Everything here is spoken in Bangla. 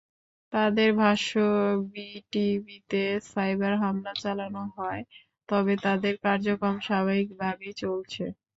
তাদের ভাষ্য, ভিটিবিতে সাইবার হামলা চালানো হয়, তবে তাদের কার্যক্রম স্বাভাবিকভাবেই চলছে।